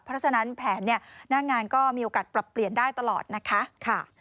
เพราะฉะนั้นแผนหน้างานก็มีโอกาสปรับเปลี่ยนได้ตลอดนะคะ